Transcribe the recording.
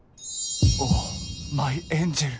おぉマイエンジェル